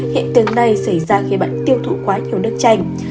hiện tượng này xảy ra khi bận tiêu thụ quá nhiều nước chanh